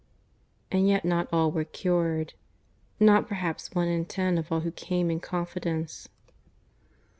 And yet not all were cured not perhaps one in ten of all who came in confidence.